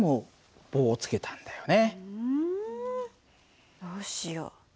うんどうしよう。